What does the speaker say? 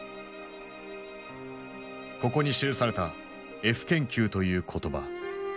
ここに記された「Ｆ研究」という言葉。